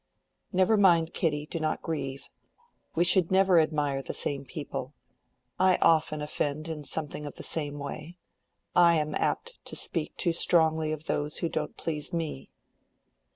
"Never mind, Kitty, do not grieve. We should never admire the same people. I often offend in something of the same way; I am apt to speak too strongly of those who don't please me."